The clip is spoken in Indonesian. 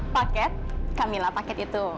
paket kamilah paket itu